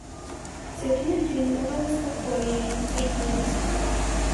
Цяпер ёй не давала спакою яе нецярплівасць.